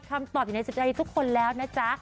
คำตอบอยู่ในจิตใจทุกคนแล้วนะจ๊ะ